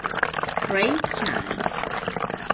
Rae Chang.